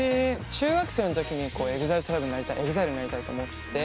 中学生の時にＥＸＩＬＥＴＲＩＢＥになりたいＥＸＩＬＥになりたいと思って。